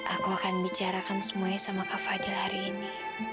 aku akan bicarakan semuanya sama kak fadil hari ini